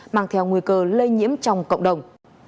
mang theo nguy cơ lây nhiễm trong cộng đồng